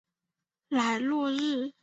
莱洛日。